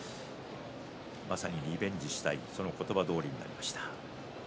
まさにリベンジしたいその言葉どおりになりました。